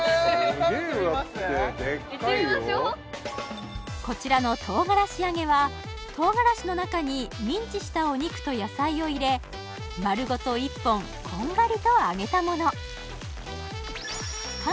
いってみましょうこちらの唐辛子揚げは唐辛子の中にミンチしたお肉と野菜を入れ丸ごと１本こんがりと揚げたもの広蔵